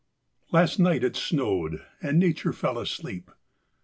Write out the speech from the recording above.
Last night it snowed; and Nature fell asleep.